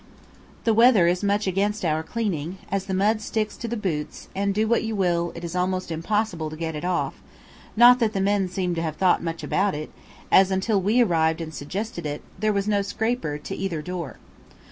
The weather is much against our cleaning, as the mud sticks to the boots and, do what you will, it is almost impossible to get it off; not that the men seem to have thought much about it, as, until we arrived and suggested it, there was no scraper to either door.